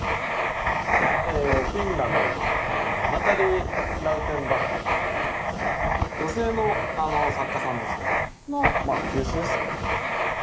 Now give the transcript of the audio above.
フィンランドのナタリー・ラウテンバッハーという女性の作家さんですねのまあ急須ですね。